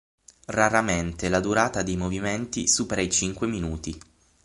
Raramente la durata dei movimenti supera i cinque minuti.